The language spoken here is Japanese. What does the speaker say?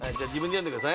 自分で読んでください。